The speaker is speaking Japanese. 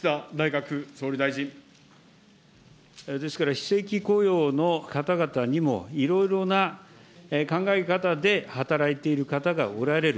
ですから、非正規雇用の方々にもいろいろな考え方で働いている方がおられる。